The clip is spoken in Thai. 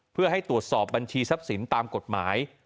เพื่อให้ตรวจสอบบัญชีทรัพย์สินตามกฎหมาย